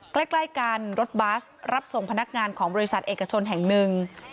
ใกล้กันรถบัสรับส่งพนักงานของบริษัทเอกชนแห่งหนึ่ง